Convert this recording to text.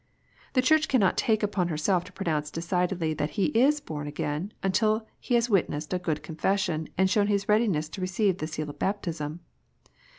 The Church cannot take upon herself to pronounce decidedly that he is born again, until he has witnessed a good confession, and shown his readiness to receive the seal of baptism.